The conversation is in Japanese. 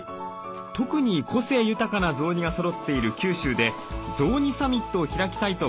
特に個性豊かな雑煮がそろっている九州で雑煮サミットを開きたいと考えたのです。